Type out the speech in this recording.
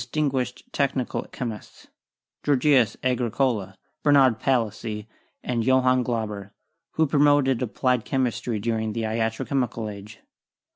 76 CHEMISTRY guished technical chemists — Georgius Agricola, Bernard Palissy and Johann Glauber — who promoted applied chem istry during the iatro chemical age.